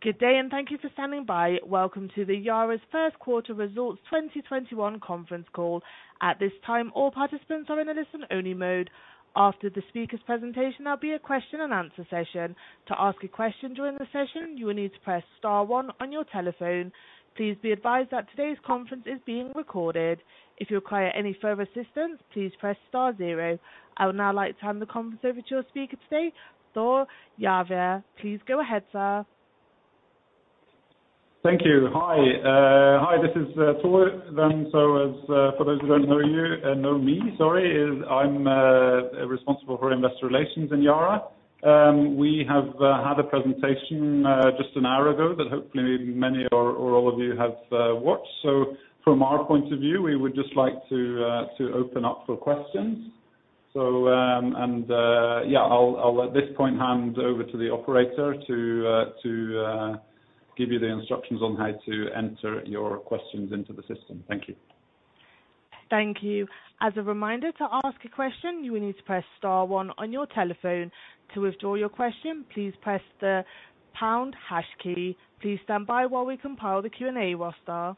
Good day and thank you for standing by. Welcome to the Yara's first quarter results 2021 conference call. At this time, all participants are in a listen only mode. After the speaker's presentation, there'll be a question and answer session. To ask a question during the session, you will need to press star one on your telephone. Please be advised that today's conference is being recorded. If you require any further assistance, please press star zero. I would now like to hand the conference over to our speaker today, Thor Giæver. Please go ahead, sir. Thank you. Hi, this is Thor. For those who don't know me, I'm responsible for investor relations in Yara. We have had a presentation just an hour ago that hopefully many or all of you have watched. From our point of view, we would just like to open up for questions. I'll at this point hand over to the operator to give you the instructions on how to enter your questions into the system. Thank you. Thank you. As a reminder, to ask a question, you will need to press star one on your telephone. To withdraw your question, please press the pound hash key. Please stand by while we compile the Q&A roster.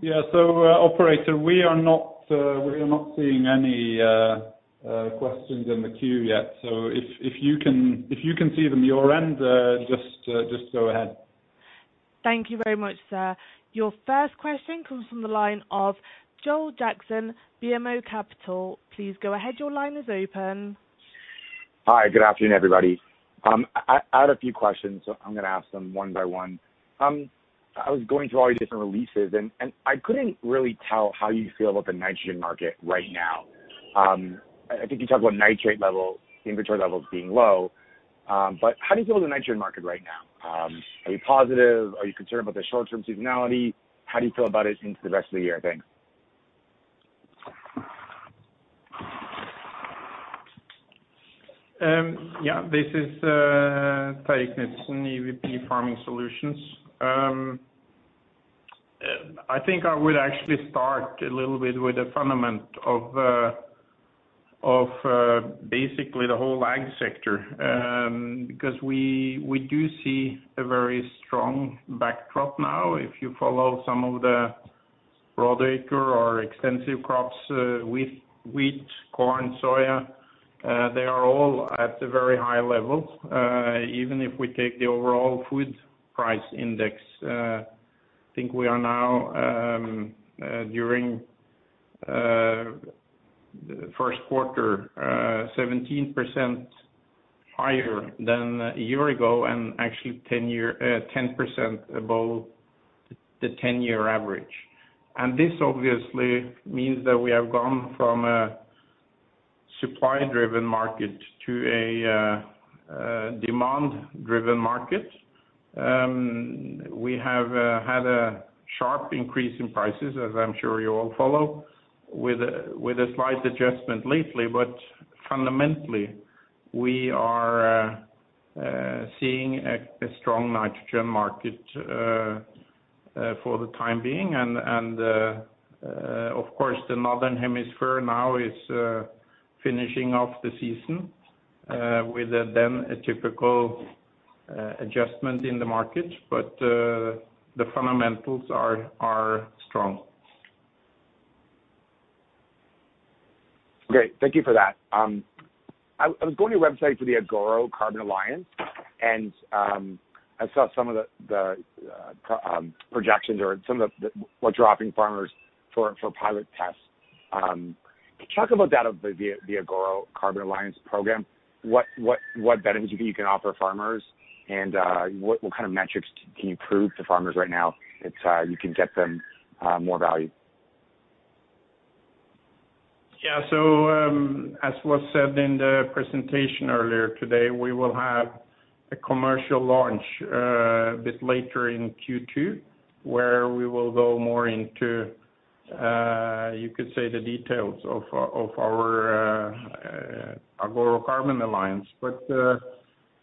Yeah. Operator, we are not seeing any questions in the queue yet. If you can see them on your end, just go ahead. Thank you very much, sir. Your first question comes from the line of Joel Jackson, BMO Capital. Please go ahead. Your line is open. Hi. Good afternoon, everybody. I had a few questions. I'm going to ask them one by one. I was going through all these different releases, and I couldn't really tell how you feel about the nitrogen market right now. I think you talked about nitrate inventory levels being low. How do you feel about the nitrogen market right now? Are you positive? Are you concerned about the short-term seasonality? How do you feel about it into the rest of the year? Thanks. This is Terje Knutsen, EVP Farming Solutions. I think I would actually start a little bit with the fundament of basically the whole ag sector, because we do see a very strong backdrop now. If you follow some of the broad acre or extensive crops, wheat, corn, soya, they are all at a very high level. Even if we take the overall food price index, I think we are now, during the first quarter, 17% higher than a year ago and actually 10% above the 10-year average. This obviously means that we have gone from a supply-driven market to a demand-driven market. We have had a sharp increase in prices, as I'm sure you all follow, with a slight adjustment lately. Fundamentally, we are seeing a strong nitrogen market for the time being, and of course, the northern hemisphere now is finishing off the season with a typical adjustment in the market. The fundamentals are strong. Great. Thank you for that. I was going to your website for the Agoro Carbon Alliance, and I saw some of the projections or some of what dropping farmers for pilot tests. Can you talk about that, the Agoro Carbon Alliance program? What benefits you think you can offer farmers, and what kind of metrics can you prove to farmers right now that you can get them more value? Yeah. As was said in the presentation earlier today, we will have a commercial launch a bit later in Q2, where we will go more into, you could say, the details of our Agoro Carbon Alliance.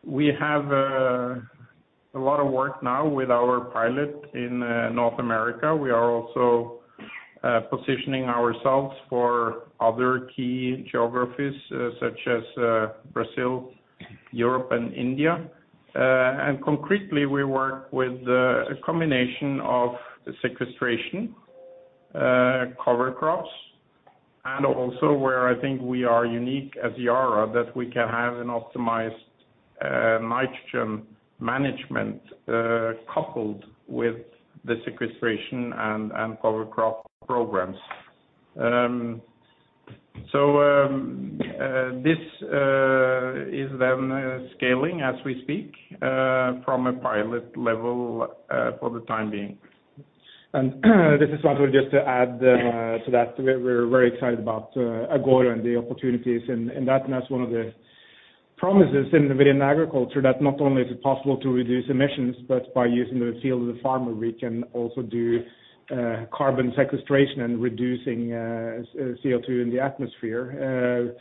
We have a lot of work now with our pilot in North America. We are also positioning ourselves for other key geographies such as Brazil, Europe, and India. Concretely, we work with a combination of sequestration, cover crops, and also where I think we are unique as Yara, that we can have an optimized nitrogen management coupled with the sequestration and cover crop programs. This is then scaling as we speak from a pilot level for the time being. This is Thor. Just to add to that, we're very excited about Agoro and the opportunities in that. That's one of the promises in agriculture, that not only is it possible to reduce emissions, but by using the field of the farmer, we can also do carbon sequestration and reducing CO2 in the atmosphere.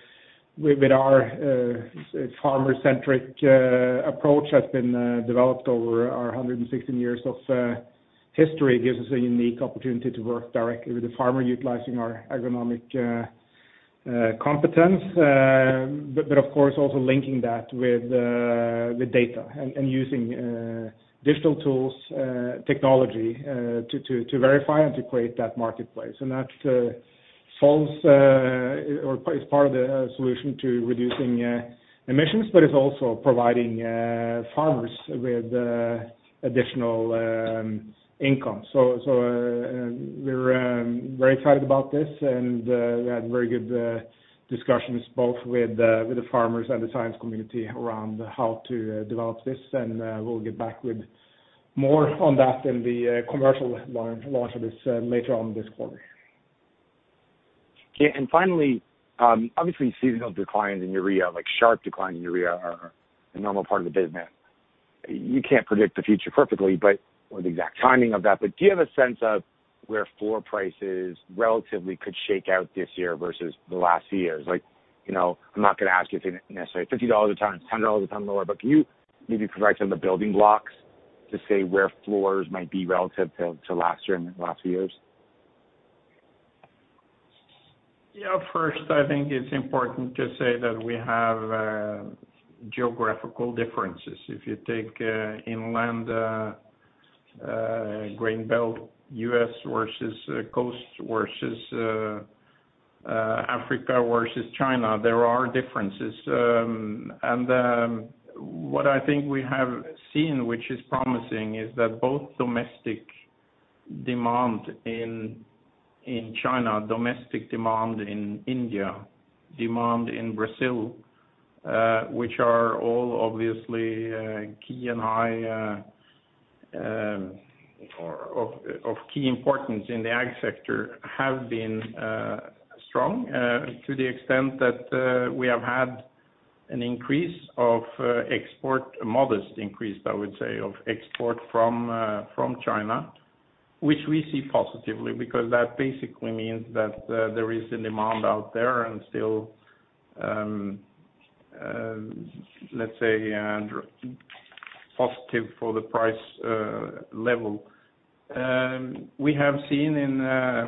With our farmer-centric approach has been developed over our 116 years of history, gives us a unique opportunity to work directly with the farmer, utilizing our agronomic competence. Of course, also linking that with the data and using digital tools, technology to verify and to create that marketplace. That falls or is part of the solution to reducing emissions, but it's also providing farmers with additional income. We're very excited about this and we had very good discussions both with the farmers and the science community around how to develop this. We'll get back with more on that in the commercial launch of this later on this quarter. Okay. Finally, obviously seasonal declines in urea, like sharp decline in urea, are a normal part of the business. You can't predict the future perfectly, or the exact timing of that, do you have a sense of where floor prices relatively could shake out this year versus the last few years? I'm not going to ask you if they necessarily $50 a ton, $10 a ton lower, can you maybe provide some of the building blocks to say where floors might be relative to last year and the last years? Yeah. First, I think it's important to say that we have geographical differences. If you take inland Grain Belt, U.S. versus coast versus Africa versus China, there are differences. What I think we have seen, which is promising, is that both domestic demand in China, domestic demand in India, demand in Brazil, which are all obviously of key importance in the ag sector, have been strong to the extent that we have had a modest increase, I would say, of export from China, which we see positively because that basically means that there is a demand out there and still, let's say, positive for the price level. We have seen,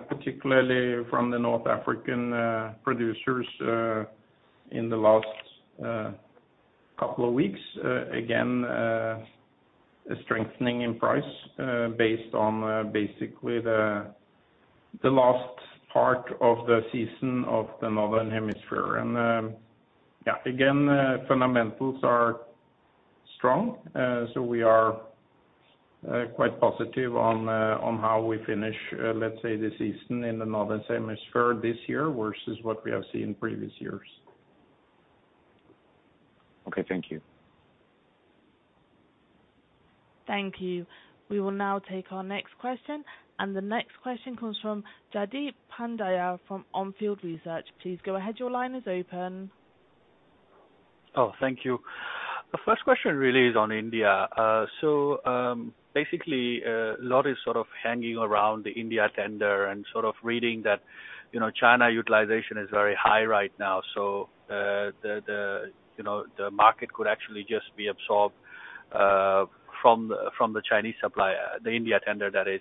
particularly from the North African producers in the last couple of weeks, again, a strengthening in price based on basically the last part of the season of the northern hemisphere. Yeah, again, fundamentals are strong. We are quite positive on how we finish, let's say, the season in the northern hemisphere this year versus what we have seen in previous years. Okay. Thank you. Thank you. We will now take our next question. The next question comes from Jaideep Pandya from On Field Research. Please go ahead. Your line is open. Thank you. The first question really is on India. Basically, a lot is sort of hanging around the India tender and sort of reading that China utilization is very high right now. The market could actually just be absorbed from the Chinese supplier, the India tender, that is.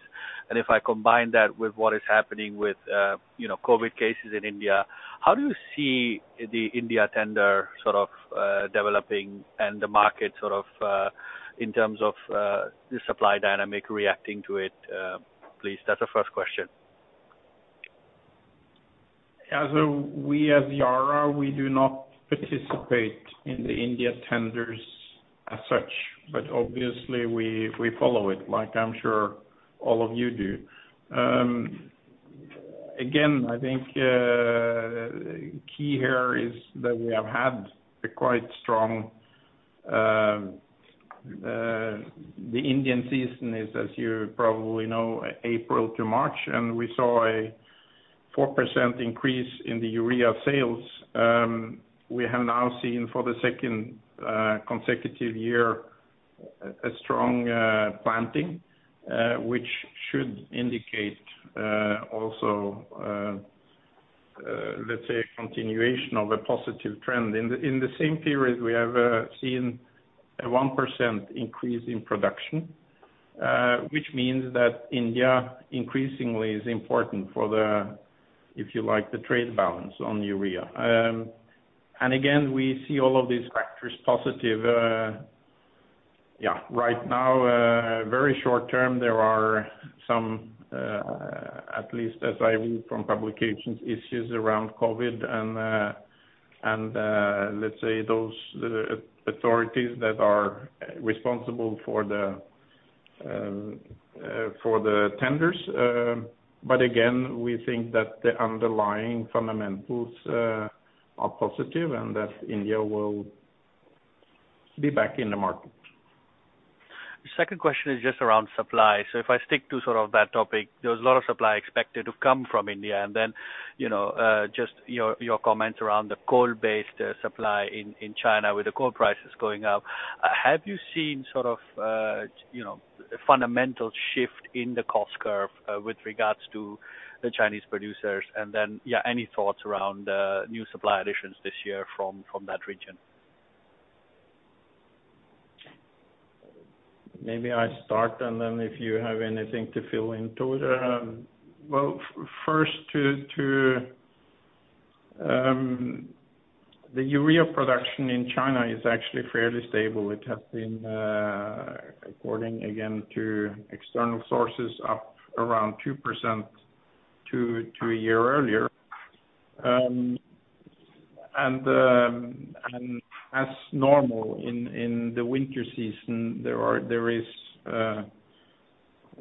If I combine that with what is happening with COVID cases in India, how do you see the India tender sort of developing and the market sort of, in terms of the supply dynamic reacting to it, please? That's the first question. As we as Yara, we do not participate in the India tenders as such. Obviously we follow it like I'm sure all of you do. I think key here is that we have had a quite strong The Indian season is, as you probably know, April to March, and we saw a 4% increase in the urea sales. We have now seen for the second consecutive year a strong planting, which should indicate also, let's say, a continuation of a positive trend. In the same period, we have seen a 1% increase in production, which means that India increasingly is important for the, if you like, the trade balance on urea. We see all of these factors positive. Right now, very short term, there are some, at least as I read from publications, issues around COVID and let's say those authorities that are responsible for the tenders. Again, we think that the underlying fundamentals are positive and that India will be back in the market. The second question is just around supply. If I stick to sort of that topic, there's a lot of supply expected to come from India. Just your comments around the coal-based supply in China with the coal prices going up. Have you seen sort of a fundamental shift in the cost curve with regards to the Chinese producers? Yeah, any thoughts around new supply additions this year from that region? Maybe I start, and then if you have anything to fill in, Tore. Well, first, the urea production in China is actually fairly stable. It has been, according, again, to external sources, up around 2% to a year earlier. As normal in the winter season, there is,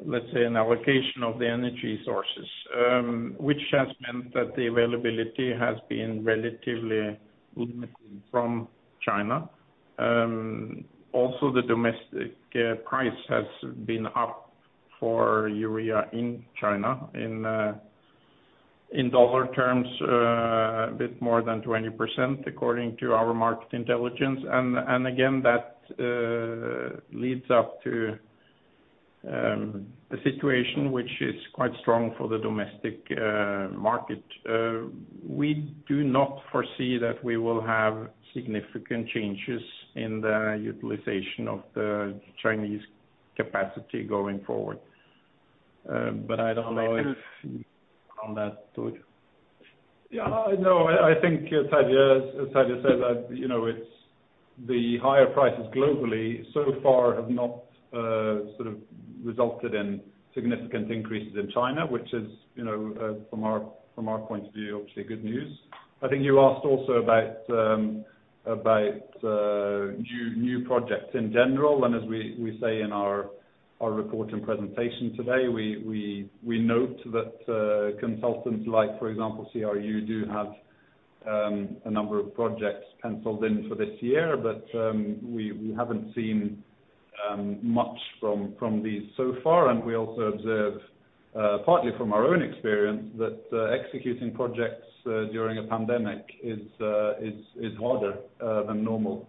let's say, an allocation of the energy sources, which has meant that the availability has been relatively limited from China. Also, the domestic price has been up for urea in China. In dollar terms, a bit more than 20%, according to our market intelligence. Again, that leads up to a situation which is quite strong for the domestic market. We do not foresee that we will have significant changes in the utilization of the Chinese capacity going forward. I don't know if you want to comment on that, Tore. Yeah. No, I think as Terje said, the higher prices globally so far have not sort of resulted in significant increases in China, which is, from our point of view, obviously good news. I think you asked also about new projects in general. As we say in our report and presentation today, we note that consultants like, for example, CRU, do have a number of projects penciled in for this year. We haven't seen much from these so far. We also observe, partly from our own experience, that executing projects during a pandemic is harder than normal.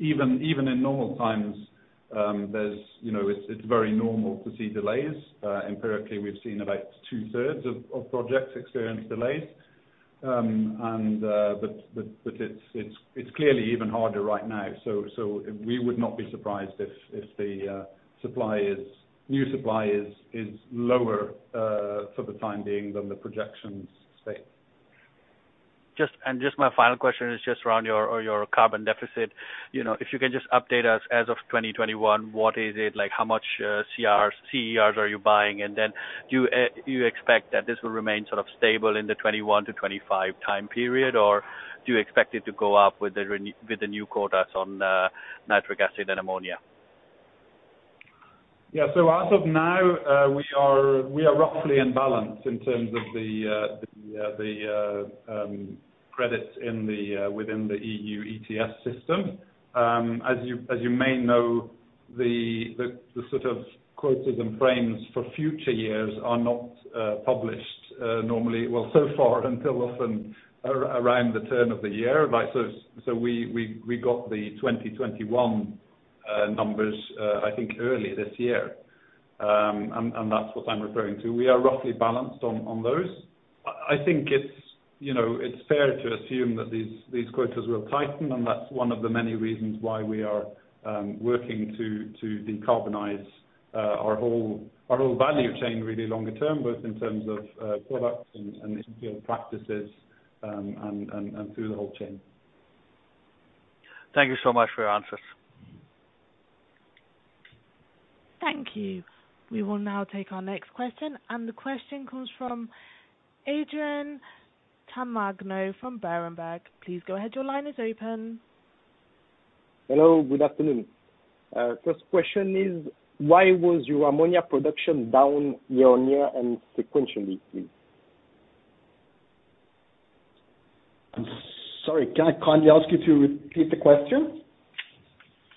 Even in normal times, it's very normal to see delays. Empirically, we've seen about 2/3 of projects experience delays. It's clearly even harder right now. We would not be surprised if the new supply is lower for the time being than the projections state. Just my final question is just around your carbon deficit. If you can just update us as of 2021, what is it? How much EUAs are you buying? Do you expect that this will remain sort of stable in the 2021 to 2025 time period, or do you expect it to go up with the new quotas on nitric acid and ammonia? Yeah. As of now, we are roughly in balance in terms of the credits within the EU ETS system. As you may know, the sort of quotas and frames for future years are not published normally, well, so far, until often around the turn of the year. We got the 2021 numbers, I think, early this year, and that's what I'm referring to. We are roughly balanced on those. I think it's fair to assume that these quotas will tighten, and that's one of the many reasons why we are working to decarbonize our whole value chain really longer term, both in terms of products and in-field practices, and through the whole chain. Thank you so much for your answers. Thank you. We will now take our next question. The question comes from Adrien Tamagno from Berenberg. Please go ahead. Your line is open. Hello, good afternoon. First question is, why was your ammonia production down year-on-year and sequentially, please? I'm sorry, can I kindly ask you to repeat the question?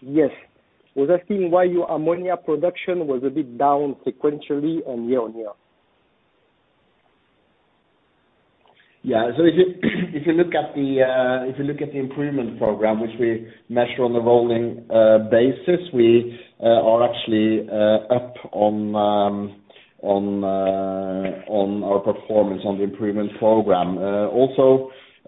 Yes. I was asking why your ammonia production was a bit down sequentially and year-on-year. Yeah. If you look at the improvement program, which we measure on a rolling basis, we are actually up on our performance on the improvement program.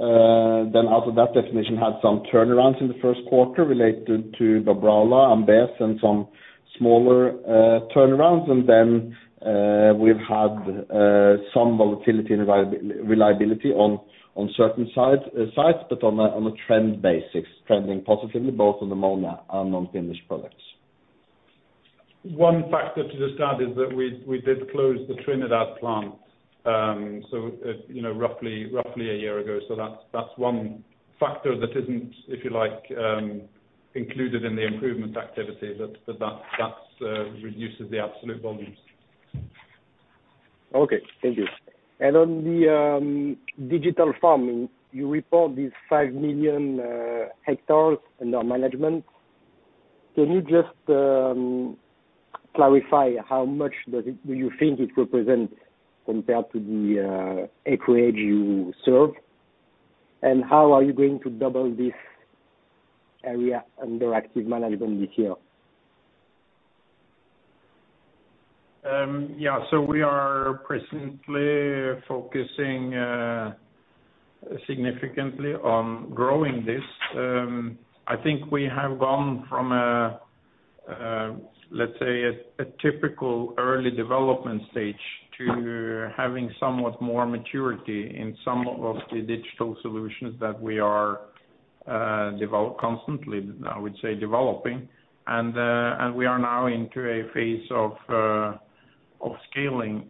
Out of that definition had some turnarounds in the first quarter related to Pilbara and Brunsbüttel and some smaller turnarounds, and then we've had some volatility and reliability on certain sites. On a trend basis, trending positively both on ammonia and on finished products. One factor to just add is that we did close the Trinidad plant roughly a year ago. That's one factor that isn't, if you like, included in the improvement activity, but that reduces the absolute volumes. Okay, thank you. On the digital farming, you report these 5 million hectares under management. Can you just clarify how much do you think it represents compared to the acreage you serve? How are you going to double this area under active management this year? Yeah. We are presently focusing significantly on growing this. I think we have gone from a, let's say, a typical early development stage to having somewhat more maturity in some of the digital solutions that we are constantly, I would say, developing. We are now into a phase of scaling,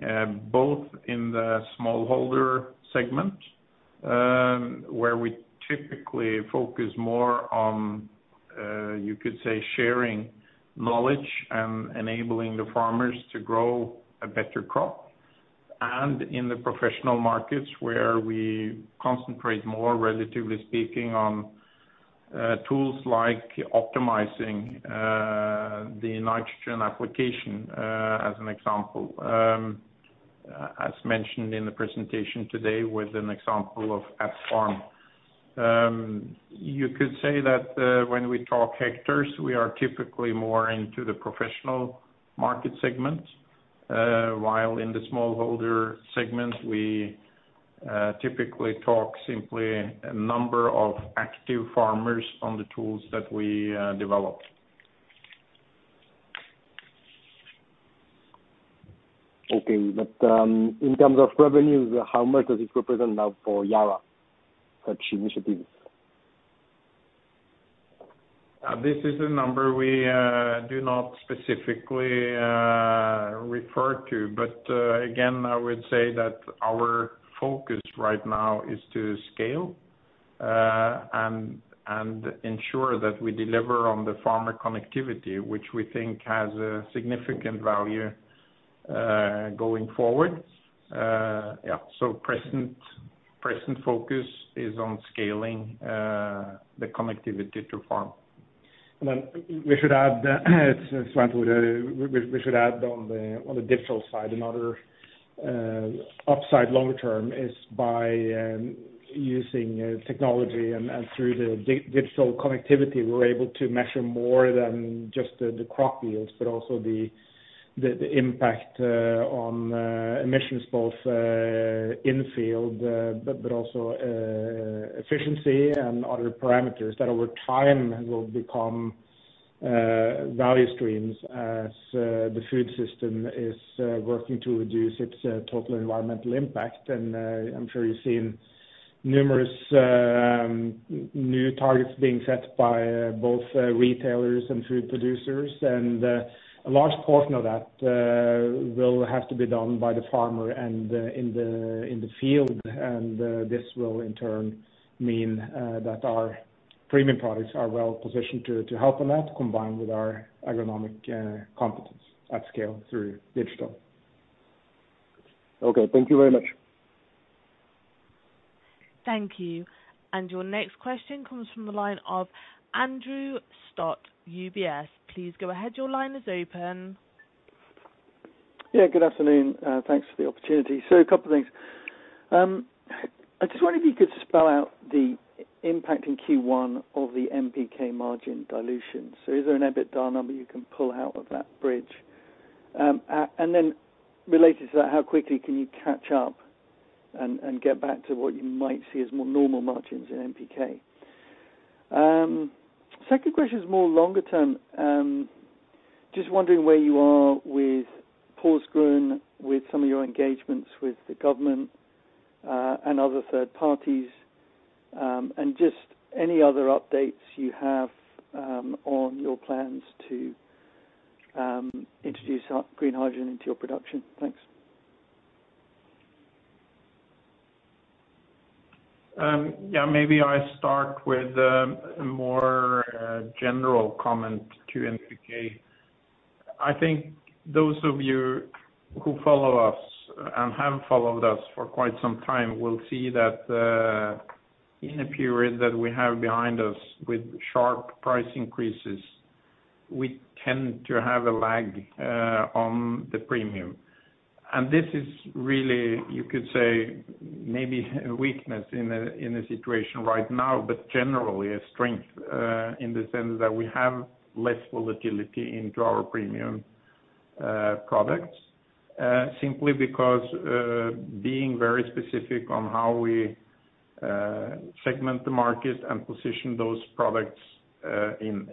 both in the smallholder segment, where we typically focus more on, you could say, sharing knowledge and enabling the farmers to grow a better crop. In the professional markets, where we concentrate more, relatively speaking, on tools like optimizing the nitrogen application, as an example, as mentioned in the presentation today with an example of Atfarm. You could say that when we talk hectares, we are typically more into the professional market segment. While in the smallholder segment, we typically talk simply a number of active farmers on the tools that we develop. Okay. In terms of revenues, how much does it represent now for Yara, such initiatives? This is a number we do not specifically refer to. Again, I would say that our focus right now is to scale and ensure that we deliver on the farmer connectivity, which we think has a significant value going forward. Present focus is on scaling the connectivity to farm. We should add, as Svein Tore, we should add on the digital side, another upside longer term is by using technology and through the digital connectivity, we're able to measure more than just the crop yields, but also the impact on emissions both in field but also efficiency and other parameters that over time will become value streams as the food system is working to reduce its total environmental impact. I'm sure you've seen numerous new targets being set by both retailers and food producers. A large portion of that will have to be done by the farmer and in the field. This will in turn mean that our premium products are well positioned to help on that, combined with our agronomic competence at scale through digital. Okay. Thank you very much. Thank you. Your next question comes from the line of Andrew Kauth, UBS. Please go ahead. Your line is open. Yeah, good afternoon. Thanks for the opportunity. A couple of things. I just wonder if you co uld spell out the impact in Q1 of the NPK margin dilution. Is there an EBITDA number you can pull out of that bridge? Related to that, how quickly can you catch up and get back to what you might see as more normal margins in NPK? Second question is more longer term. Just wondering where you are with Porsgrunn, with some of your engagements with the government, and other third parties, and just any other updates you have on your plans to introduce green hydrogen into your production. Thanks. Yeah, maybe I start with a more general comment to NPK. I think those of you who follow us and have followed us for quite some time will see that in the period that we have behind us with sharp price increases, we tend to have a lag on the premium. This is really, you could say, maybe a weakness in the situation right now, but generally a strength in the sense that we have less volatility into our premium products, simply because being very specific on how we segment the market and position those products in.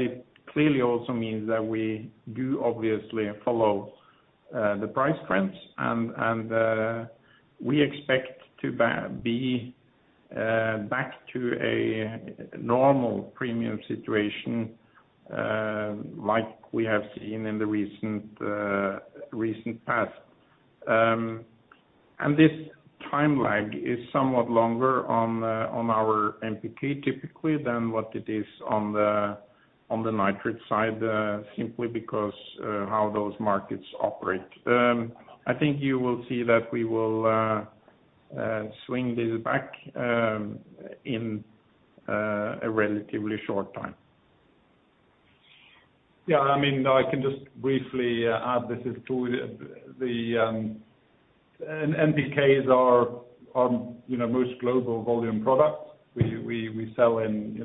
It clearly also means that we do obviously follow the price trends, and we expect to be back to a normal premium situation like we have seen in the recent past. This time lag is somewhat longer on our NPK typically than what it is on the nitrate side, simply because how those markets operate. I think you will see that we will swing this back in a relatively short time. Yeah, I can just briefly add this as to the. NPK is our most global volume product. We sell in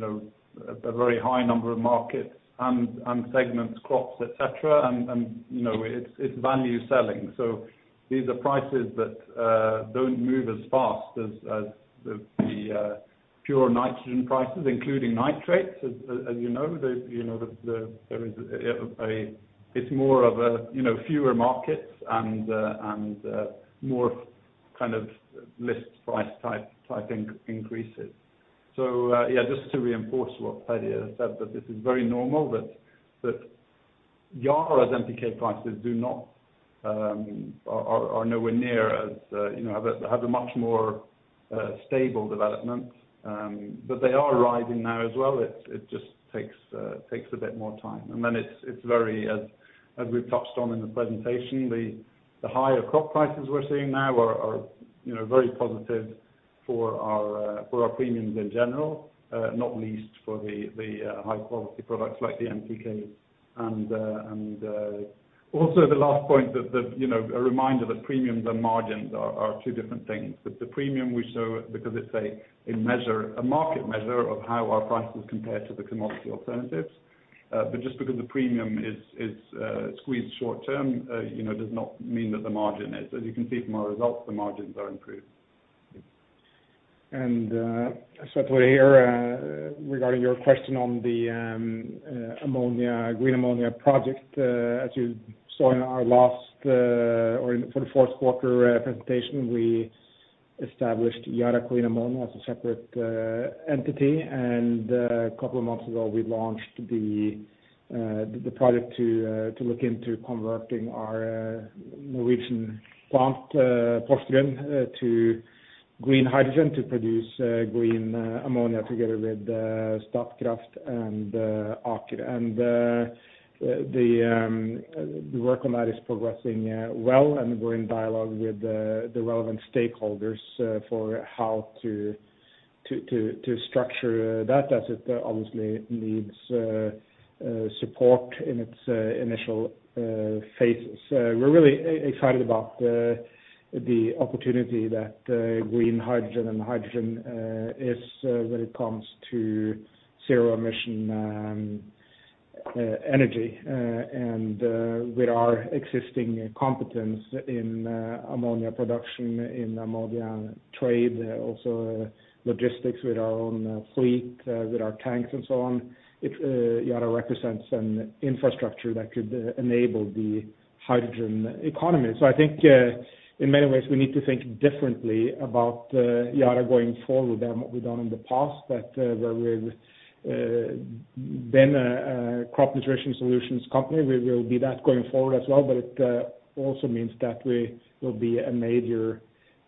a very high number of markets and segments, crops, et cetera, and it's value selling. These are prices that don't move as fast as the pure nitrogen prices, including nitrates. As you know, it's more of a fewer markets and more kind of list price typing increases. Yeah, just to reinforce what Terje said, that this is very normal, that Yara's NPK prices are nowhere near as Have a much more stable development. They are rising now as well, it just takes a bit more time. It's very, as we've touched on in the presentation, the higher crop prices we're seeing now are very positive for our premiums in general, not least for the high-quality products like the NPK. Also the last point that a reminder that premiums and margins are two different things. The premium we show, because it's a market measure of how our prices compare to the commodity alternatives. Just because the premium is squeezed short term, does not mean that the margin is. As you can see from our results, the margins are improved. Svein Tore, regarding your question on the green ammonia project, as you saw in our last, or for the fourth quarter presentation, we established Yara Green Ammonia as a separate entity. A couple of months ago, we launched the project to look into converting our Norwegian plant, Porsgrunn, to green hydrogen to produce green ammonia together with Statkraft and Aker. The work on that is progressing well, and we're in dialogue with the relevant stakeholders for how to structure that, as it obviously needs support in its initial phases. We're really excited about the opportunity that green hydrogen and hydrogen is when it comes to zero emission energy. With our existing competence in ammonia production, in ammonia trade, also logistics with our own fleet, with our tanks and so on, Yara represents an infrastructure that could enable the hydrogen economy. I think, in many ways, we need to think differently about Yara going forward than what we've done in the past. That where we've been a crop nutrition solutions company, we will be that going forward as well, but it also means that we will be a major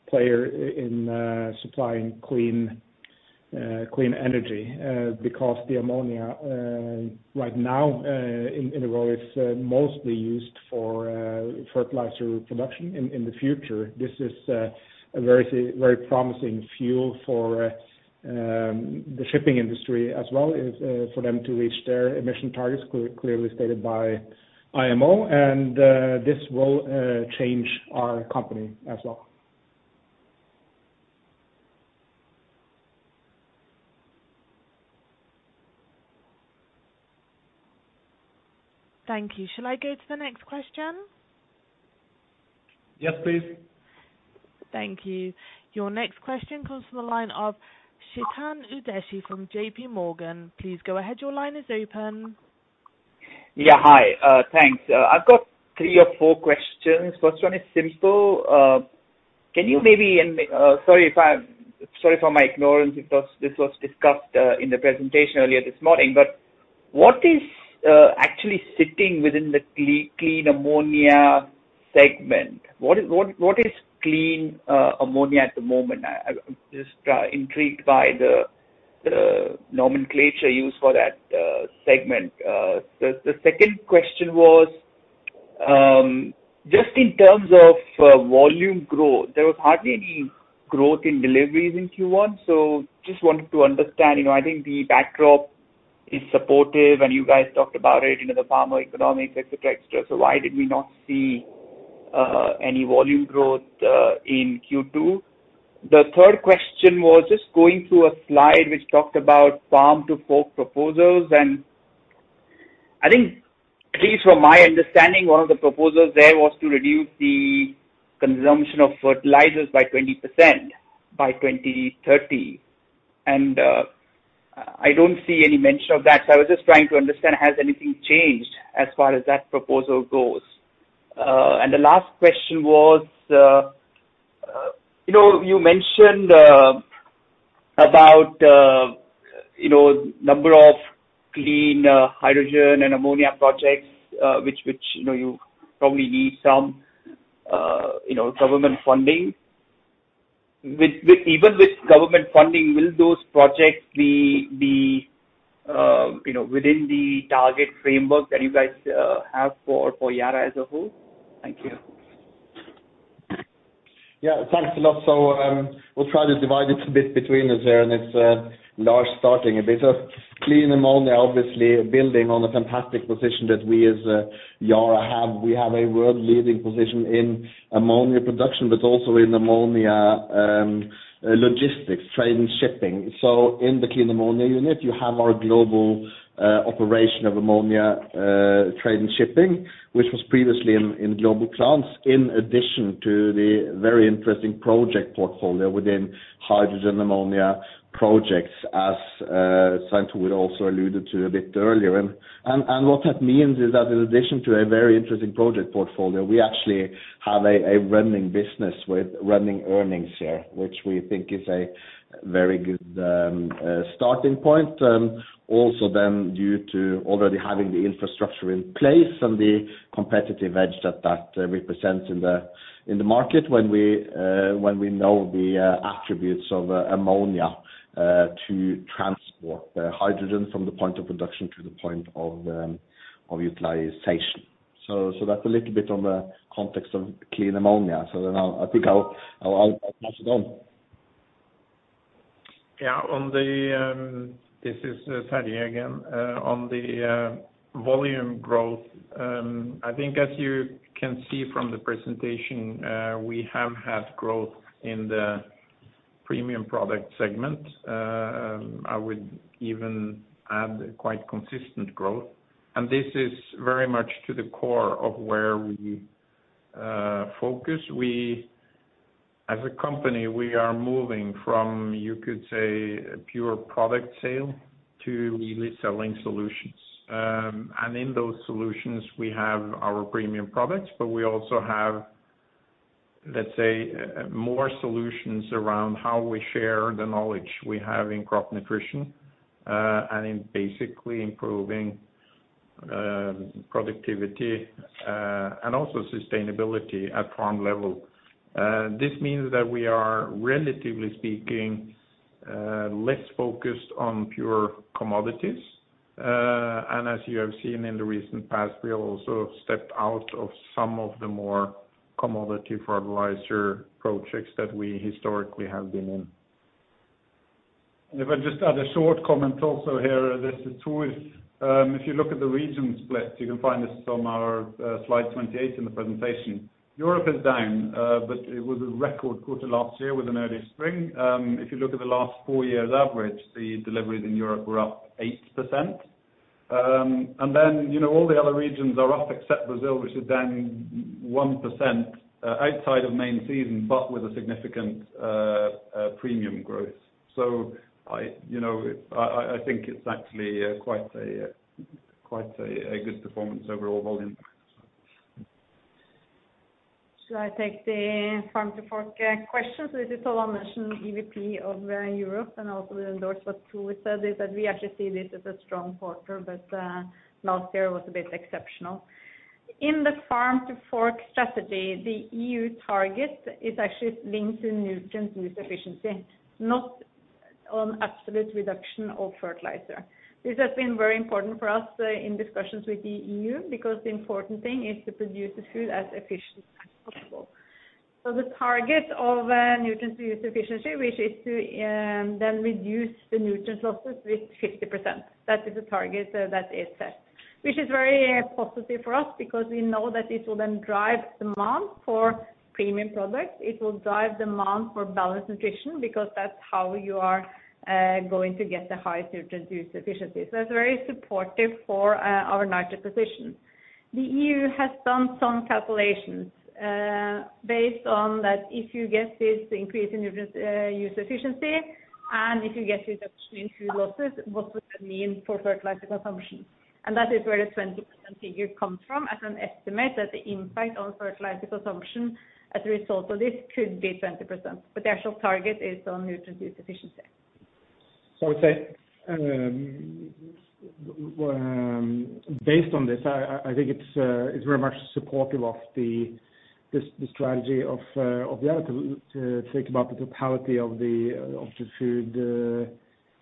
player in supplying clean energy. The ammonia right now in a way is mostly used for fertilizer production. In the future, this is a very promising fuel for the shipping industry as well, for them to reach their emission targets clearly stated by IMO, and this will change our company as well. Thank you. Shall I go to the next question? Yes, please. Thank you. Your next question comes from the line of Chetan Udeshi from J.P. Morgan. Please go ahead. Your line is open. Yeah. Hi. Thanks. I've got three or four questions. First one is simple. Sorry for my ignorance if this was discussed in the presentation earlier this morning, what is actually sitting within the clean ammonia segment? What is clean ammonia at the moment? I'm just intrigued by the nomenclature used for that segment. The second question was, just in terms of volume growth, there was hardly any growth in deliveries in Q1, just wanted to understand. I think the backdrop is supportive, you guys talked about it, the farm economics, et cetera, et cetera. Why did we not see any volume growth in Q2? The third question was just going through a slide which talked about Farm to Fork proposals, I think, at least from my understanding, one of the proposals there was to reduce the consumption of fertilizers by 20% by 2030. I don't see any mention of that. I was just trying to understand, has anything changed as far as that proposal goes? The last question was, you mentioned about number of clean hydrogen and ammonia projects which you probably need some government funding. Even with government funding, will those projects be within the target framework that you guys have for Yara as a whole? Thank you. Yeah, thanks a lot. We'll try to divide it a bit between us here, and it's Lars starting a bit. Clean Ammonia, obviously building on a fantastic position that we as Yara have. We have a world-leading position in ammonia production, but also in ammonia logistics, trade, and shipping. In the Clean Ammonia unit, you have our global operation of ammonia trade and shipping, which was previously in global plants, in addition to the very interesting project portfolio within hydrogen ammonia projects as Stein Tore also alluded to a bit earlier. What that means is that in addition to a very interesting project portfolio, we actually have a running business with running earnings here, which we think is a very good starting point. Due to already having the infrastructure in place and the competitive edge that represents in the market when we know the attributes of ammonia to transport hydrogen from the point of production to the point of utilization. That's a little bit on the context of clean ammonia. I think I'll pass it on. Yeah. This is Terje again. On the volume growth, I think as you can see from the presentation, we have had growth in the premium product segment. I would even add quite consistent growth. This is very much to the core of where we focus. As a company, we are moving from, you could say, a pure product sale to really selling solutions. In those solutions, we have our premium products, but we also have, let's say, more solutions around how we share the knowledge we have in crop nutrition, and in basically improving productivity, and also sustainability at farm level. This means that we are, relatively speaking, less focused on pure commodities. As you have seen in the recent past, we have also stepped out of some of the more commodity fertilizer projects that we historically have been in. If I just add a short comment also here. This is Thor. If you look at the region split, you can find this on our slide 28 in the presentation. Europe is down, but it was a record quarter last year with an early spring. If you look at the last four years' average, the deliveries in Europe were up 8%. All the other regions are up except Brazil, which is down 1% outside of main season, but with a significant premium growth. I think it's actually quite a good performance overall volume. Should I take the Farm to Fork question? This is Tove Andersen, EVP, Europe, and also will endorse what Tore said, is that we actually see this as a strong quarter, but last year was a bit exceptional. In the Farm to Fork Strategy, the EU target is actually linked to nutrient use efficiency, not on absolute reduction of fertilizer. This has been very important for us in discussions with the EU, because the important thing is to produce the food as efficiently as possible. The target of nutrient use efficiency, which is to then reduce the nutrient losses with 50%. That is the target that is set, which is very positive for us because we know that it will then drive demand for premium products. It will drive demand for balanced nutrition, because that's how you are going to get the high nutrient use efficiency. It's very supportive for our nitrogen position. The EU has done some calculations based on that if you get this increase in nutrient use efficiency, and if you get reduction in food losses, what would that mean for fertilizer consumption? That is where the 20% figure comes from, as an estimate that the impact on fertilizer consumption as a result of this could be 20%, but the actual target is on nutrient use efficiency. I would say, based on this, I think it is very much supportive of the strategy of Yara to think about the totality of the food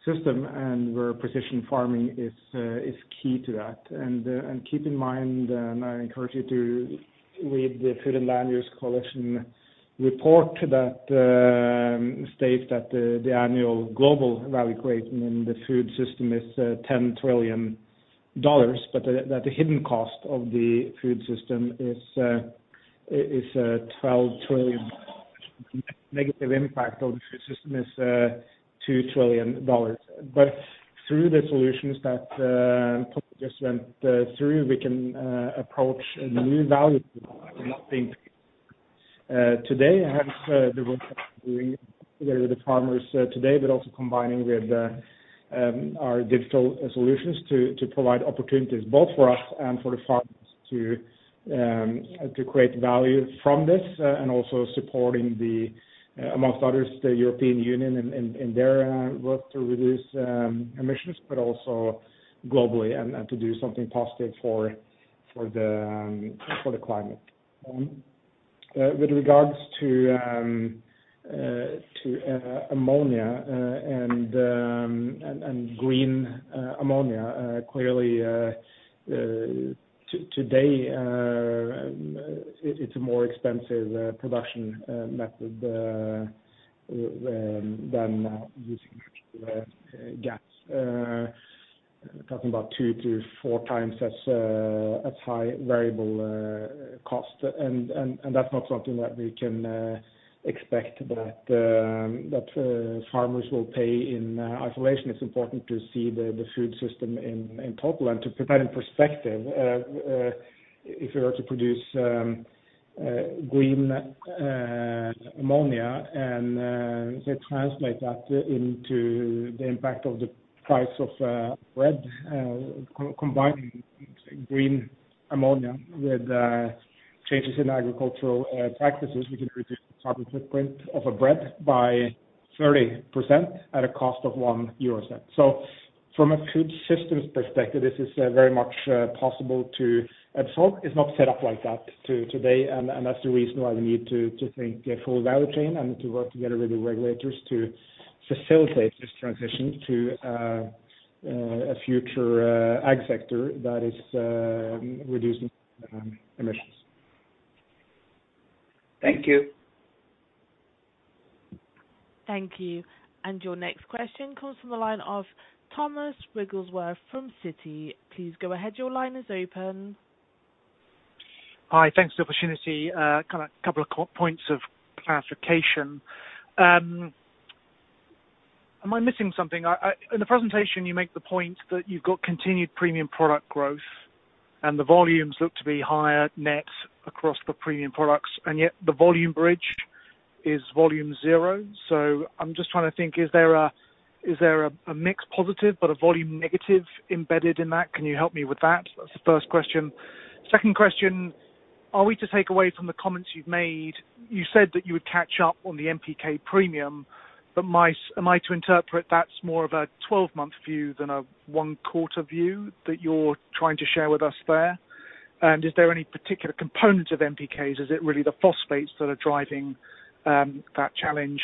system and where precision farming is key to that. Keep in mind, and I encourage you to read the Food and Land Use Coalition report that states that the annual global value created in the food system is NOK 10 trillion, but that the hidden cost of the food system is 12 trillion. Negative impact on the food system is NOK 2 trillion. Through the solutions that Tove just went through, we can approach a new value. I think today, hence the work that we're doing together with the farmers today, but also combining with our digital solutions to provide opportunities both for us and for the farmers to create value from this and also supporting the, among others, the European Union in their work to reduce emissions, but also globally and to do something positive for the climate. With regards to ammonia and green ammonia, clearly today It's a more expensive production method than using natural gas. Talking about two to 4x as high variable cost. That's not something that we can expect that farmers will pay in isolation. It's important to see the food system in total and to put that in perspective. If we were to produce green ammonia and they translate that into the impact of the price of bread, combining green ammonia with changes in agricultural practices, we can reduce the carbon footprint of a bread by 30% at a cost of 0.01. From a food systems perspective, this is very much possible to absorb. It's not set up like that today, and that's the reason why we need to think full value chain and to work together with the regulators to facilitate this transition to a future ag sector that is reducing emissions. Thank you. Thank you. Your next question comes from the line of Thomas Wrigglesworth from Citi. Please go ahead. Your line is open. Hi. Thanks for the opportunity. A couple of points of clarification. Am I missing something? In the presentation, you make the point that you've got continued premium product growth, the volumes look to be higher net across the premium products, yet the volume bridge is volume zero. I'm just trying to think, is there a mix positive but a volume negative embedded in that? Can you help me with that? That's the first question. Second question, are we to take away from the comments you've made, you said that you would catch up on the NPK premium, am I to interpret that's more of a 12-month view than a one-quarter view that you're trying to share with us there? Is there any particular component of NPK? Is it really the phosphates that are driving that challenge?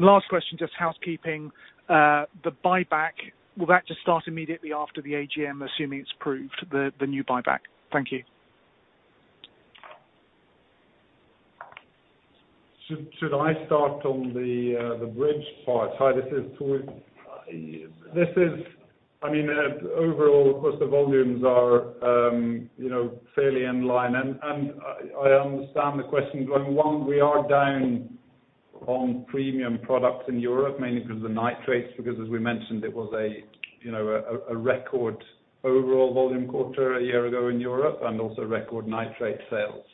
Last question, just housekeeping. The buyback, will that just start immediately after the AGM, assuming it's approved, the new buyback? Thank you. Should I start on the bridge part? Hi, this is Thor. Overall, of course, the volumes are fairly in line. I understand the question. One, we are down on premium products in Europe, mainly because of the nitrates. As we mentioned, it was a record overall volume quarter a year ago in Europe. Also record nitrate sales.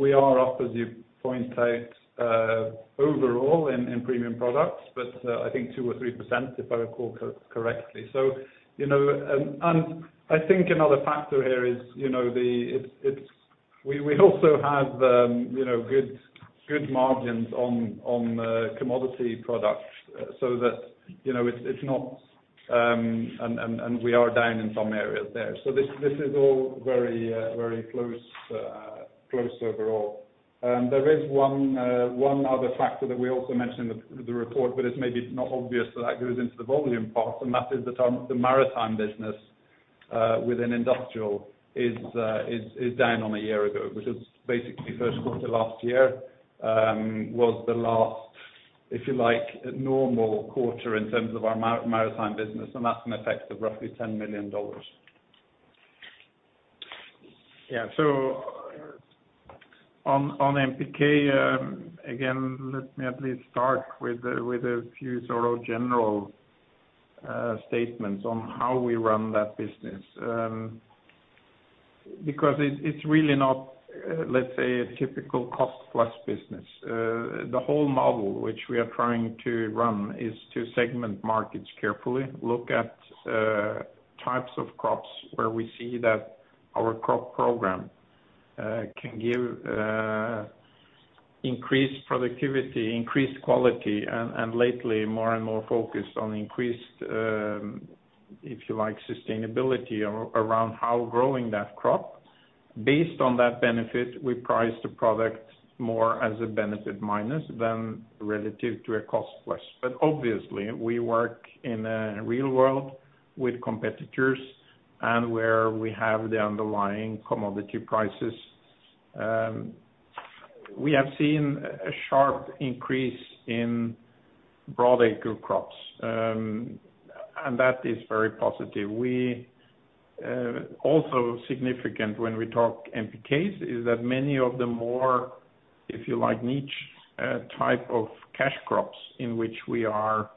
We are up, as you point out, overall in premium products. I think 2% or 3%, if I recall correctly. I think another factor here is, we also have good margins on commodity products. We are down in some areas there. This is all very close overall. There is one other factor that we also mentioned in the report. It is maybe not obvious that goes into the volume part. That is the maritime business within industrial is down on a year-ago. Which is basically first quarter last year, was the last, if you like, normal quarter in terms of our maritime business, and that's an effect of roughly NOK 10 million. Yeah. On NPK, again, let me at least start with a few sort of general statements on how we run that business. It's really not, let's say, a typical cost-plus business. The whole model which we are trying to run is to segment markets carefully, look at types of crops where we see that our crop program can give increased productivity, increased quality, and lately more and more focused on increased, if you like, sustainability around how growing that crop. Based on that benefit, we price the product more as a benefit minus than relative to a cost+. Obviously, we work in a real world with competitors and where we have the underlying commodity prices. We have seen a sharp increase in broad acre crops, and that is very positive. Also significant when we talk NPKs is that many of the more, if you like, niche type of cash crops in which we are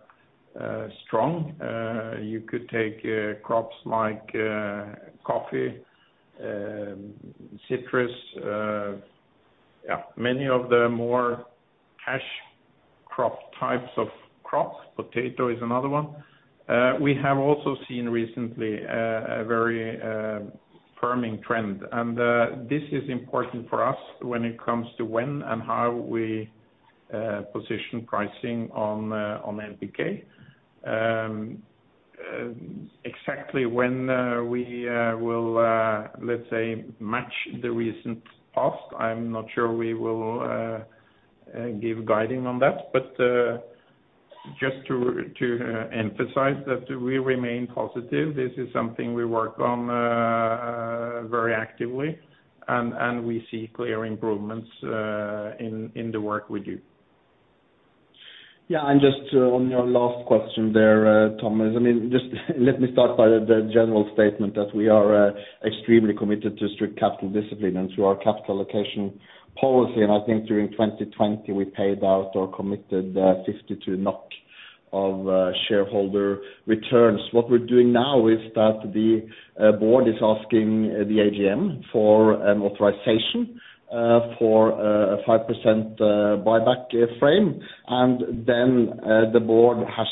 strong. You could take crops like coffee, citrus, many of the more cash crop types of crops. Potato is another one. We have also seen recently a very firming trend. This is important for us when it comes to when and how we position pricing on NPK. Exactly when we will, let's say, match the recent past, I'm not sure we will give guiding on that. Just to emphasize that we remain positive. This is something we work on very actively, and we see clear improvements in the work we do. Yeah, just on your last question there, Thomas. Let me start by the general statement that we are extremely committed to strict capital discipline through our capital allocation policy. I think during 2020, we paid out or committed 62 NOK of shareholder returns. What we're doing now is that the board is asking the AGM for an authorization for a 5% buyback frame. The board has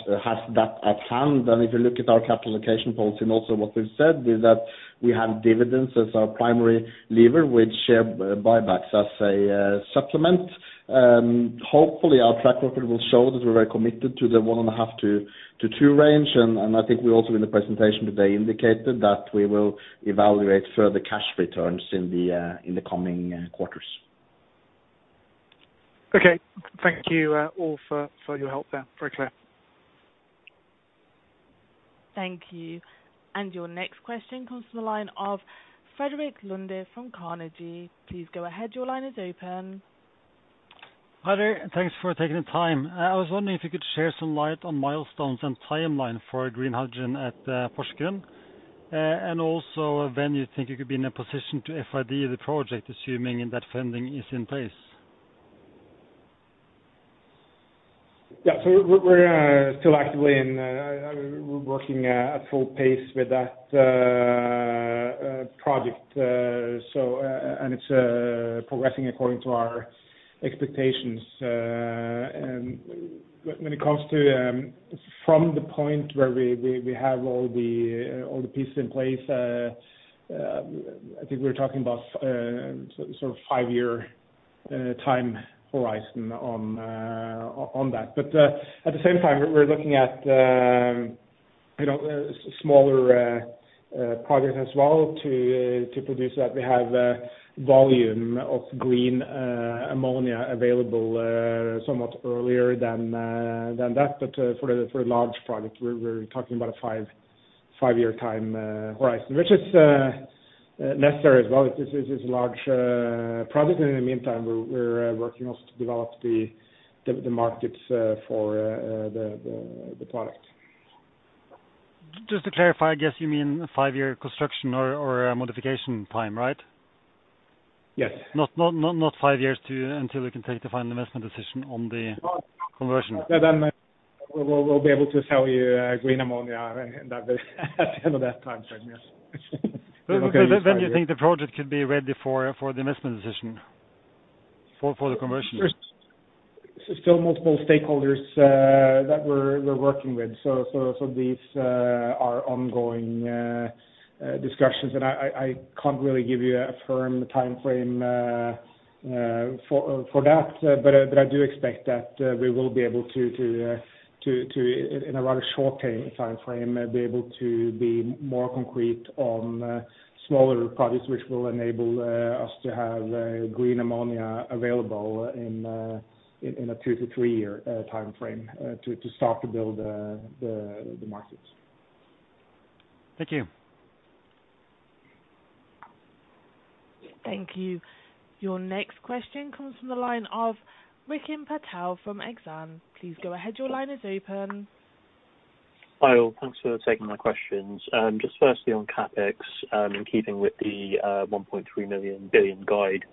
that at hand. If you look at our capital allocation policy, and also what we've said is that we have dividends as our primary lever with share buybacks as a supplement. Hopefully our track record will show that we're very committed to the 1.5-2 range. I think we also in the presentation today indicated that we will evaluate further cash returns in the coming quarters. Okay. Thank you all for your help there. Very clear. Thank you. Your next question comes from the line of Frederik Lunde from Carnegie. Please go ahead. Your line is open. Hi there. Thanks for taking the time. I was wondering if you could share some light on milestones and timeline for green hydrogen at Porsgrunn. Also when you think you could be in a position to FID the project, assuming that funding is in place. We're still actively working at full pace with that project. It's progressing according to our expectations. When it comes to from the point where we have all the pieces in place, I think we're talking about five-year time horizon on that. At the same time, we're looking at smaller projects as well to produce that. We have volume of green ammonia available somewhat earlier than that. For a large project, we're talking about a five-year time horizon, which is necessary as well. This is a large project and in the meantime, we're working also to develop the markets for the product. Just to clarify, I guess you mean five-year construction or modification time, right? Yes. Not five years until you can take the final investment decision on the conversion. By then we'll be able to sell you green ammonia at the end of that time frame, yes. When do you think the project could be ready for the investment decision for the conversion? There's still multiple stakeholders that we're working with. These are ongoing discussions and I can't really give you a firm timeframe for that. I do expect that we will be able to, in a rather short timeframe, be able to be more concrete on smaller projects, which will enable us to have green ammonia available in a two to three-year timeframe to start to build the markets. Thank you. Thank you. Your next question comes from the line of Rikin Patel from Exane. Please go ahead. Your line is open. Hi all. Thanks for taking my questions. Firstly on CapEx, in keeping with the 1.3 billion guide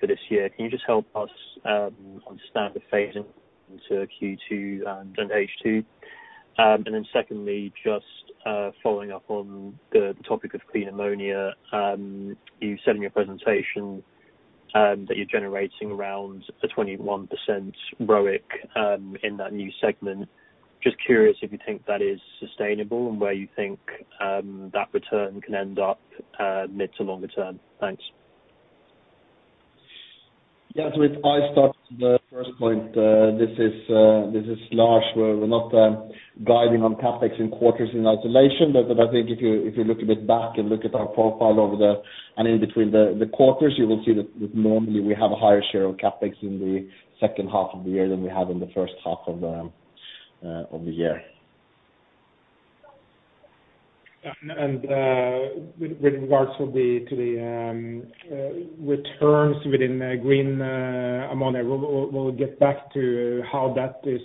for this year, can you just help us understand the phasing into Q2 and H2? Secondly, just following up on the topic of clean ammonia. You said in your presentation that you're generating around a 21% ROIC in that new segment. Curious if you think that is sustainable and where you think that return can end up mid to longer term. Thanks. If I start the first point. This is Lars, we are not guiding on CapEx in quarters in isolation. I think if you look a bit back and look at our profile over there and in between the quarters, you will see that normally we have a higher share of CapEx in the second half of the year than we have in the first half of the year. With regards to the returns within green ammonia, we'll get back to how that is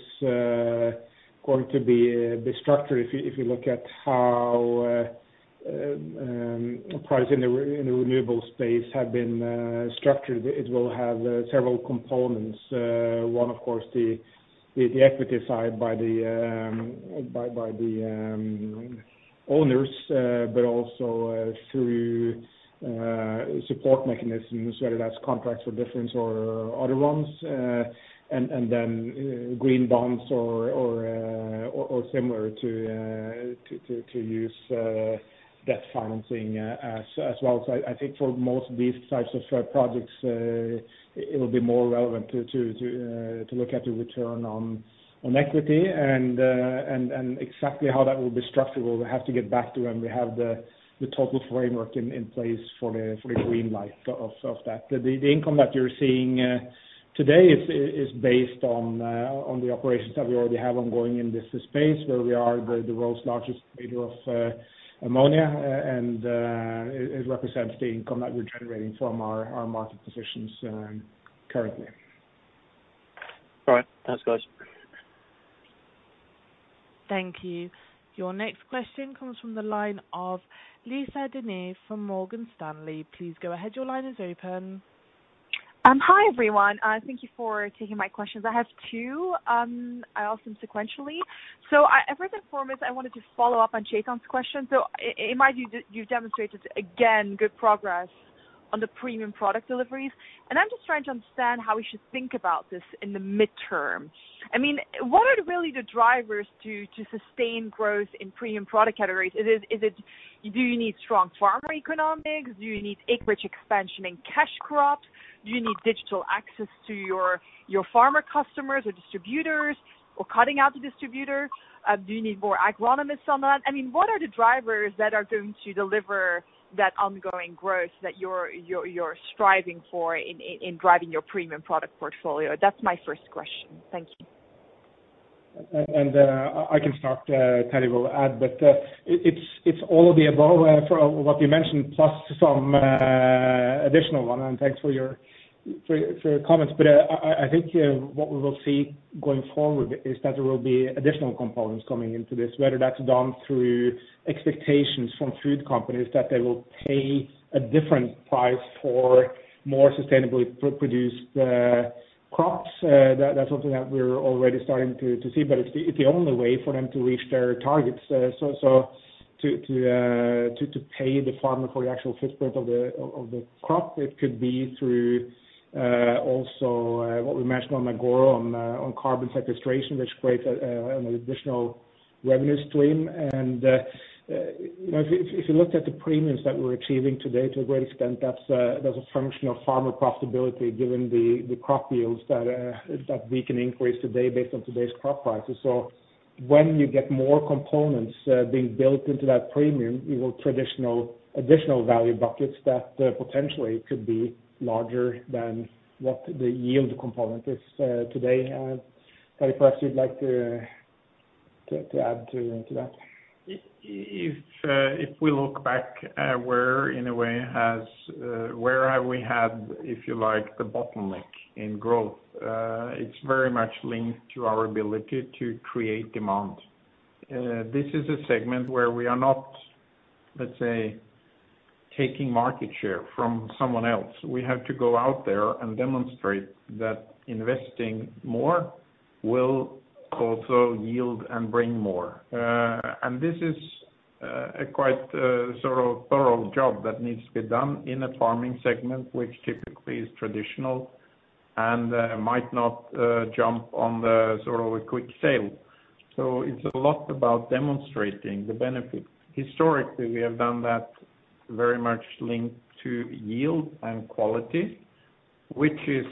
going to be structured. If you look at how price in the renewable space have been structured, it will have several components. One, of course, the equity side by the owners. Also through support mechanisms, whether that's Contracts for Difference or other ones. Then green bonds or similar to use debt financing as well. I think for most of these types of projects, it will be more relevant to look at the return on equity and exactly how that will be structured, we'll have to get back to when we have the total framework in place for the green life of that. The income that you're seeing today is based on the operations that we already have ongoing in this space where we are the world's largest trader of ammonia, and it represents the income that we're generating from our market positions currently. All right, thanks guys. Thank you. Your next question comes from the line of Lisa De Neve from Morgan Stanley. Please go ahead. Your line is open. Hi, everyone. Thank you for taking my questions. I have two. I'll ask them sequentially. First and foremost, I wanted to follow up on Chetan's question. [Eymund], you demonstrated again good progress on the premium product deliveries, and I'm just trying to understand how we should think about this in the midterm. What are really the drivers to sustain growth in premium product categories? Do you need strong farmer economics? Do you need acreage expansion in cash crops? Do you need digital access to your farmer customers or distributors, or cutting out the distributor? Do you need more agronomists on that? What are the drivers that are going to deliver that ongoing growth that you're striving for in driving your premium product portfolio? That's my first question. Thank you. I can start, Terje will add, but it's all of the above from what you mentioned, plus some additional one, and thanks for your comments. I think what we will see going forward is that there will be additional components coming into this, whether that's done through expectations from food companies, that they will pay a different price for more sustainably produced crops. That's something that we're already starting to see. It's the only way for them to reach their targets. To pay the farmer for the actual footprint of the crop, it could be through, also, what we mentioned on Agoro Carbon Alliance, on carbon sequestration, which creates an additional revenue stream. If you looked at the premiums that we're achieving today, to a great extent, that's a function of farmer profitability given the crop yields that we can increase today based on today's crop prices. When you get more components being built into that premium, you will traditional additional value buckets that potentially could be larger than what the yield component is today. Terry, perhaps you'd like to add to that. If we look back where have we had, if you like, the bottleneck in growth, it's very much linked to our ability to create demand. This is a segment where we are not, let's say, taking market share from someone else. We have to go out there and demonstrate that investing more will also yield and bring more. This is a quite thorough job that needs to be done in a farming segment, which typically is traditional and might not jump on the sort of a quick sale. It's a lot about demonstrating the benefit. Historically, we have done that very much linked to yield and quality, which is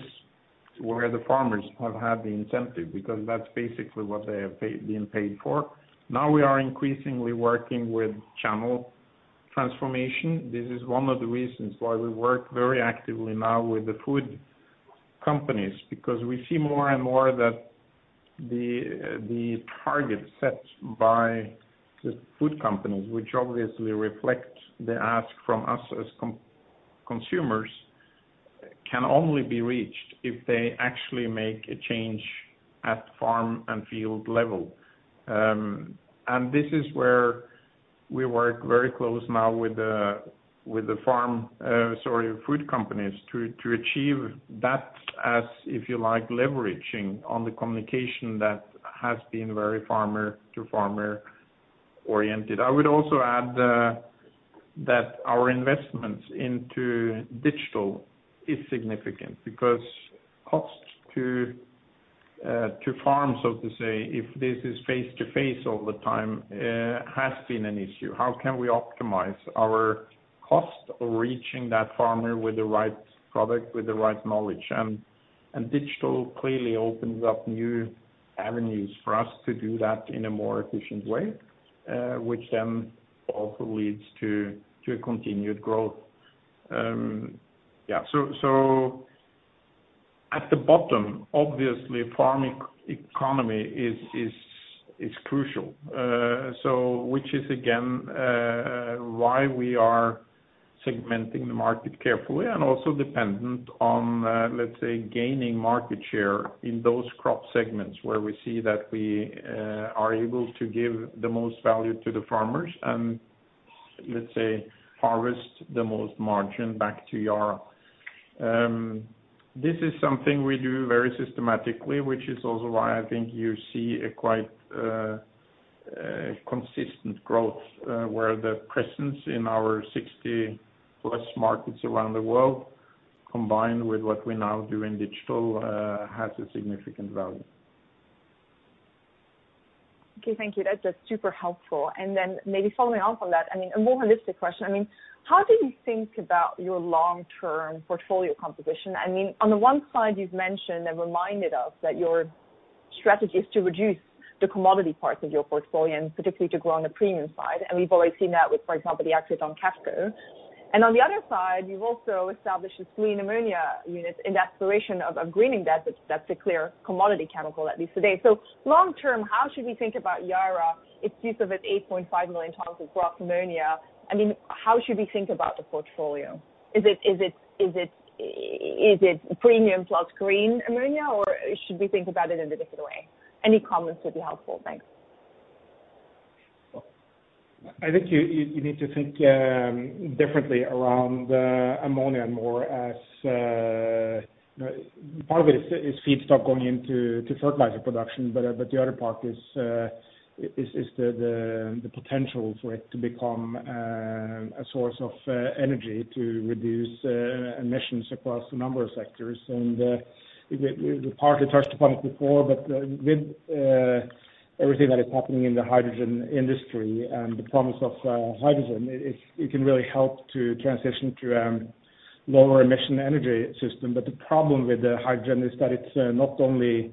where the farmers have had the incentive, because that's basically what they have been paid for. Now we are increasingly working with channel transformation. This is one of the reasons why we work very actively now with the food companies, because we see more and more that the target set by the food companies, which obviously reflect the ask from us as consumers, can only be reached if they actually make a change at farm and field level. This is where we work very close now with the food companies to achieve that as, if you like, leveraging on the communication that has been very farmer-to-farmer oriented. I would also add that our investments into digital is significant because Atfarm, so to say, if this is face-to-face all the time, has been an issue. How can we optimize our cost of reaching that farmer with the right product, with the right knowledge? Digital clearly opens up new avenues for us to do that in a more efficient way, which then also leads to a continued growth. Yeah. At the bottom, obviously, farming economy is crucial. Which is again why we are segmenting the market carefully and also dependent on, let's say, gaining market share in those crop segments where we see that we are able to give the most value to the farmers and, let's say, harvest the most margin back to Yara. This is something we do very systematically, which is also why I think you see a quite consistent growth, where the presence in our 60+ markets around the world, combined with what we now do in digital, has a significant value. Okay, thank you. That's just super helpful. Maybe following on from that, a more holistic question. How do you think about your long-term portfolio composition? On the one side, you've mentioned and reminded us that your strategies to reduce the commodity parts of your portfolio, and particularly to grow on the premium side. We've already seen that with, for example, the exit on Saskferco. On the other side, you've also established this green ammonia unit in the aspiration of a green index, but that's a clear commodity chemical, at least today. Long term, how should we think about Yara, its use of its 8.5 million tons of gross ammonia? How should we think about the portfolio? Is it premium plus green ammonia, or should we think about it in a different way? Any comments would be helpful. Thanks. I think you need to think differently around ammonia and more as, part of it is feedstock going into fertilizer production, the other part is the potential for it to become a source of energy to reduce emissions across a number of sectors. The part we touched upon it before, with everything that is happening in the hydrogen industry and the promise of hydrogen, it can really help to transition to lower emission energy system. The problem with the hydrogen is that it's the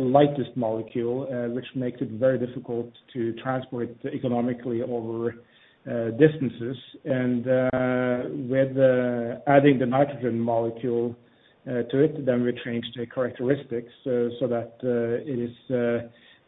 lightest molecule, which makes it very difficult to transport economically over distances. With adding the nitrogen molecule to it, then we change the characteristics so that it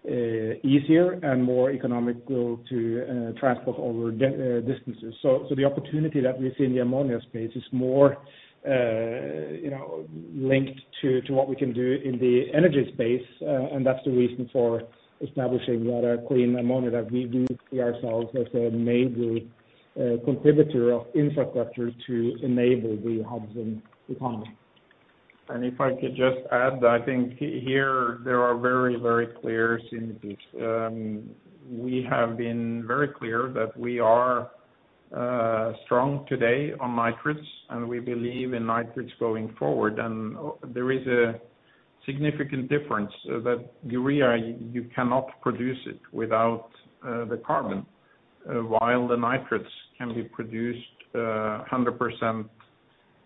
is easier and more economical to transport over distances. The opportunity that we see in the ammonia space is more linked to what we can do in the energy space, and that's the reason for establishing Yara Clean Ammonia, that we do see ourselves as a major contributor of infrastructure to enable the hydrogen economy. If I could just add, I think here there are very clear synergies. We have been very clear that we are strong today on nitrates, and we believe in nitrates going forward. There is a significant difference that urea, you cannot produce it without the carbon, while the nitrates can be produced 100%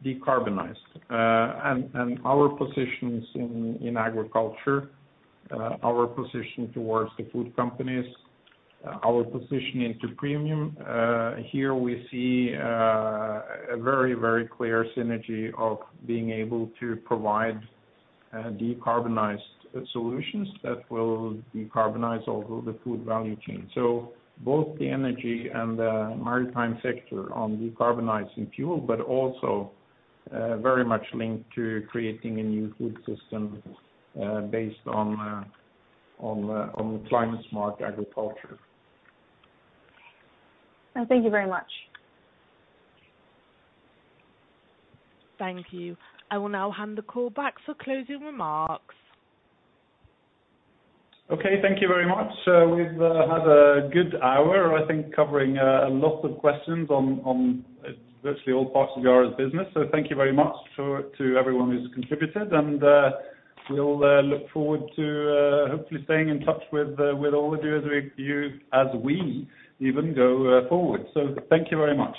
decarbonized. Our positions in agriculture, our position towards the food companies, our position into premium, here we see a very clear synergy of being able to provide decarbonized solutions that will decarbonize all the food value chain. Both the energy and the maritime sector on decarbonizing fuel, but also very much linked to creating a new food system based on climate smart agriculture. Thank you very much. Thank you. I will now hand the call back for closing remarks. Okay. Thank you very much. We've had a good hour, I think, covering a lot of questions on virtually all parts of Yara's business. Thank you very much to everyone who's contributed, and we'll look forward to hopefully staying in touch with all of you as we even go forward. Thank you very much.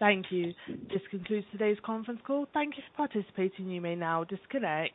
Thank you. This concludes today's conference call. Thank you for participating. You may now disconnect.